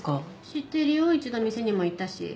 知ってるよ１度店にも行ったし。